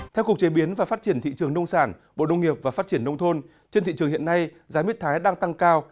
theo cục chế biến và phát triển thị trường nông sản bộ nông nghiệp và phát triển nông thôn trên thị trường hiện nay giá mít thái đang tăng cao